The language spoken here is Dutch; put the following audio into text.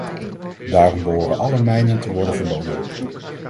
Daarom behoren alle mijnen te worden verboden.